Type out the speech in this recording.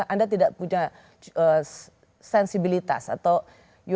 anda tidak punya sensibilitas atau